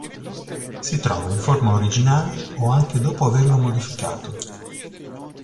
Si trova in forma originale o anche dopo averlo modificato.